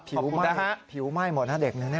ขอบคุณนะฮะผิวไหม้ผิวไหม้เหมาะหน้าเด็กเนี่ย